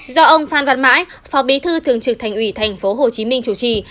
do ông phan văn mãi phó bí thư thường trực thành ủy tp hcm chủ trì